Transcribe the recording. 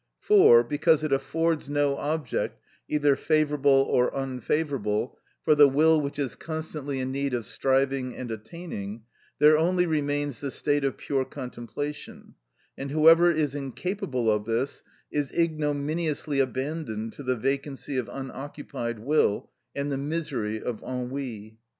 For, because it affords no object, either favourable or unfavourable, for the will which is constantly in need of striving and attaining, there only remains the state of pure contemplation, and whoever is incapable of this, is ignominiously abandoned to the vacancy of unoccupied will, and the misery of ennui.